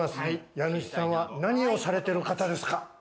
家主さんは何をされてる方ですか？